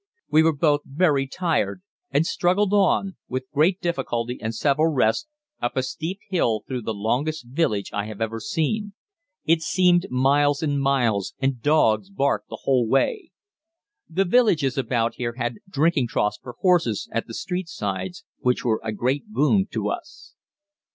We were both very tired, and struggled on, with great difficulty and several rests, up a steep hill through the longest village I have ever seen. It seemed miles and miles, and dogs barked the whole way. The villages about here had drinking troughs for horses at the street sides, which were a great boon to us.